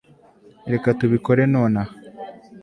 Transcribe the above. reka tubikore nonaha